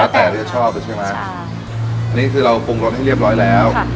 แล้วแต่เดี๋ยวชอบใช่ไหมใช่อันนี้คือเราปรุงรสให้เรียบร้อยแล้ว